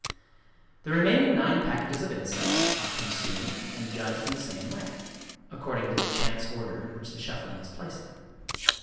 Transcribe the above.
The remaining nine packages of incense are consumed and judged in the same way, according to the chance order in which the shuffling has placed them.